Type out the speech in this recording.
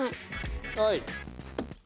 はい！